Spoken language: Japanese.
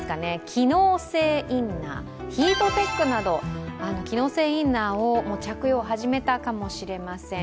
機能性インナー、ヒートテックなど機能性インナーを着用を始めたかもしれません。